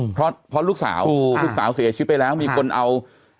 เพราะลูกสาวเหลือชีวิตไปแล้วมีคนเอา